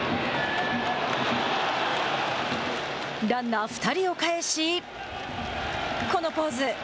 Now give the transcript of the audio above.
ランナー２人をかえしこのポーズ。